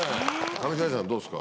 上白石さんどうですか？